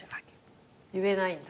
言えないんだ。